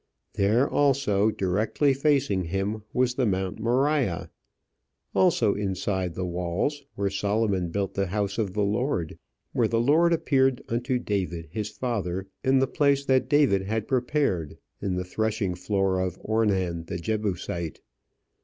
There also, directly facing him, was the Mount Moriah, also inside the walls, where Solomon built the house of the Lord, "where the Lord appeared unto David his father, in the place that David had prepared, in the threshing floor of Ornan the Jebusite."